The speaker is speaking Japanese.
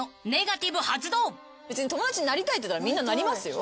別に友達になりたいって言ったらみんななりますよ。